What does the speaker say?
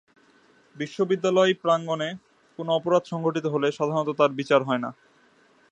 বিশ্ববিদ্যালয় প্রাঙ্গণে কোনো অপরাধ সংঘটিত হলে সাধারণত তার বিচার হয় না।